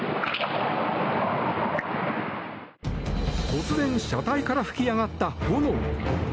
突然、車体から噴き上がった炎。